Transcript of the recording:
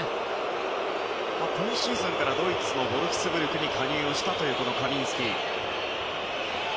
今シーズンからドイツのボルフスブルクに加入をしたというカミンスキ。